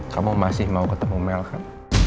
kamu masih mau ketemu mel kan